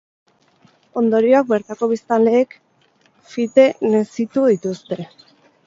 Ondorioak bertako biztanleek fite nozitu dituzte.